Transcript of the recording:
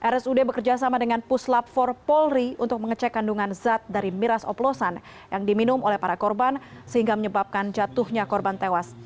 rsud bekerjasama dengan puslap empat polri untuk mengecek kandungan zat dari miras oplosan yang diminum oleh para korban sehingga menyebabkan jatuhnya korban tewas